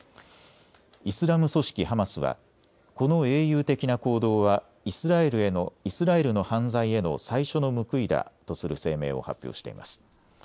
イスラム組織ハマスはこの英雄的な行動はイスラエルの犯罪への最初の報いだとする声明を発表しています。